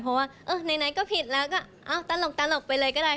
เพราะว่าไหนก็ผิดแล้วก็ตลกไปเลยก็ได้